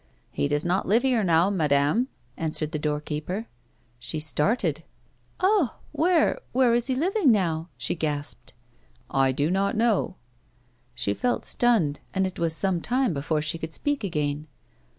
"He does not live here now, madame," answered the doorkeeper. She started. "Ah ! Where — where is he living now ?" she gasped. " I do not know." She felt stunned, and it was some time before she could speak again.